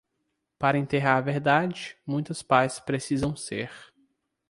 Para enterrar a verdade, muitas pás precisam ser.